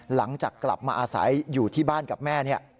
หลังจากกลับมาอาศัยอยู่ที่บ้านกับแม่เนี่ย